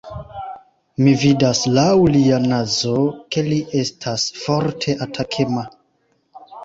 Mi vidas laŭ lia nazo, ke li estas forte atakema.